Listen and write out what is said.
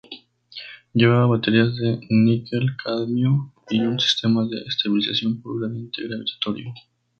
Llevaba baterías de níquel-cadmio y un sistema de estabilización por gradiente gravitatorio.